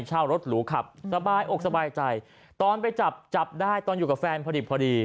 เช่ารถหรูขับสบายอกสบายใจตอนไปจับจับได้ตอนอยู่กับแฟนพอดีพอดี